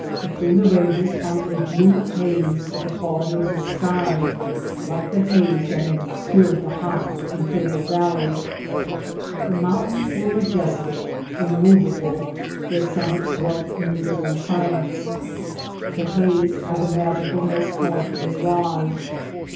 Between the ranges hung a blue haze of the quality of the sky, like the haze that had obscured the hot Imperial Valley. The moun tains were majestic, immovable, their summits dwelt in the living silence. The haze had the magicalness of mirage.